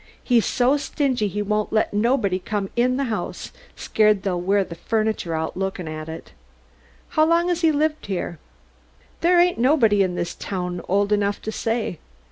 He's so stingy he won't let nobody come in the house scared they'll wear the furniture out looking at it." "How long has he lived here?" "There ain't nobody in this town old enough to say.